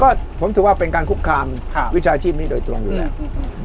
ก็ผมถือว่าเป็นการคุกคามวิชาชีพนี้โดยตรงอยู่แล้ว